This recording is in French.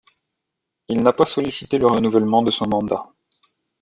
Il n'a pas sollicité le renouvellement de son mandat.